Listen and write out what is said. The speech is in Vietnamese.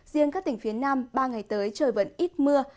riêng các tỉnh phía nam ba ngày tới trời vẫn ít mưa